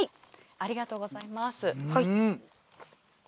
ありがとうございます。